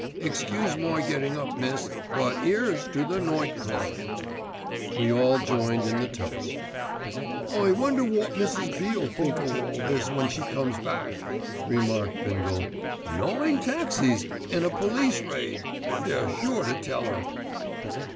"Excuse my getting up, miss, but 'eres to the Night Club." We all joined in the toast. "I wonder wot Mrs. B.'ll think of it all when she comes back," remarked Bindle. "Nine taxis an' a police raid. They're sure to tell 'er."